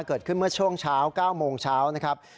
เกิดขึ้นเมื่อช่วงเช้า๙โมงเช้านะครับ